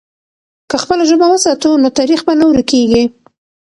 که خپله ژبه وساتو، نو تاریخ به نه ورکېږي.